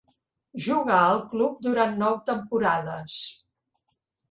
Jugà al club durant nou temporades.